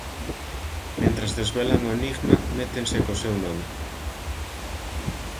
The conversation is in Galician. Mentres desvelan o enigma, métense co seu nome.